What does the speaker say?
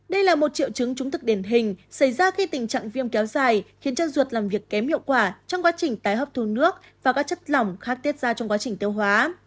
đây là một triệu chứng chứng thực điển hình xảy ra khi tình trạng viêm kéo dài khiến cho ruột làm việc kém hiệu quả trong quá trình tái hấp thu nước và các chất lỏng khác tiết ra trong quá trình tiêu hóa